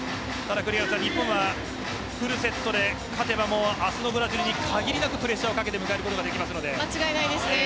日本はフルセットで勝てば明日のブラジルに限りなくプレッシャーをかけて間違いないですね。